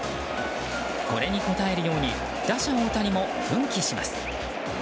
これに応えるように打者・大谷も奮起します。